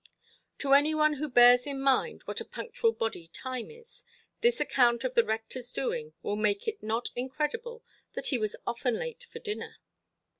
To any one who bears in mind what a punctual body Time is, this account of the rectorʼs doings will make it not incredible that he was often late for dinner.